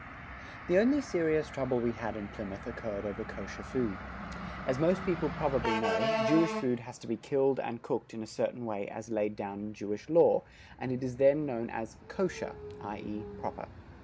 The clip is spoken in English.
The only serious trouble we had in Plymouth occurred over Kosher food. As most people probably know, Jewish food has to be killed and cooked in a certain way as laid down in Jewish Law, and it is then known as "kosher," i.e. proper.